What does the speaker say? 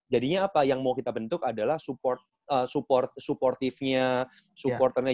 jadinya apa yang mau kita bentuk adalah support support support tiff nya support ernya